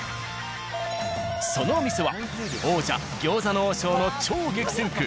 そのお店は王者「餃子の王将」の超激戦区